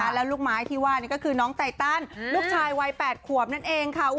แล้วลูกไม้ที่ว่านี่ก็คือน้องไตตันลูกชายวัย๘ขวบนั่นเองค่ะ